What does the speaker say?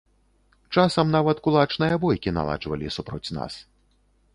Часам нават кулачныя бойкі наладжвалі супроць нас.